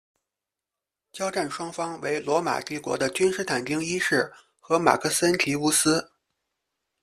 交战双方为罗马帝国的君士坦丁一世和马克森提乌斯。